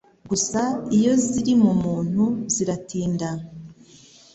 gusa iyo ziri mu muntu ziratinda